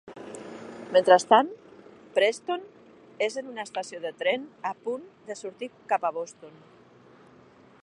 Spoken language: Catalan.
Mentrestant, Preston és en una estació de tren, a punt de sortir cap a Boston.